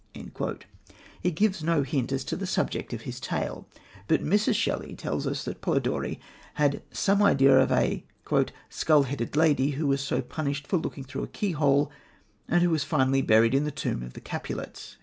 He gives no hint as to the subject of his tale, but Mrs. Shelley tells us that Polidori had some idea of a "skull headed lady, who was so punished for looking through a key hole, and who was finally buried in the tomb of the Capulets."